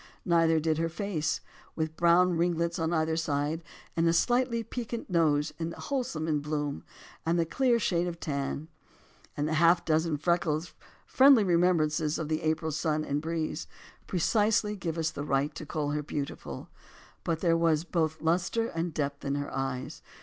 Neither did her face — with brown ringlets on either side and a slightly piquant nose, and the wholesome bloom, and the clear shade of tan, and the half dozen freckles, friendly remembrances of the April sun and breeze — precisely give us the right to call her beautiful. But there was both lustre and depth in her eyes.